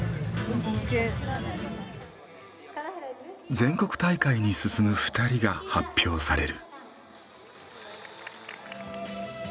全国大会に進む２人が発表される。